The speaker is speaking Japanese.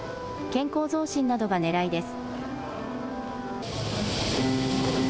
健康増進などがねらいです。